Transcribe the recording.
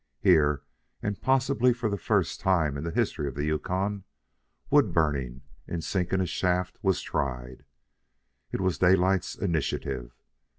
Here, and possibly for the first time in the history of the Yukon, wood burning, in sinking a shaft, was tried. It was Daylight's initiative.